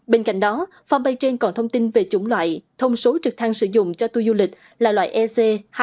bên cạnh đó phòng bay trên còn thông tin về chủng loại thông số trực thăng sử dụng cho tui du lịch là loại ec hai trăm hai mươi năm